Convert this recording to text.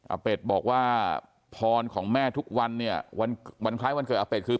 เป็ดบอกว่าพรของแม่ทุกวันเนี่ยวันคล้ายวันเกิดอาเป็ดคือ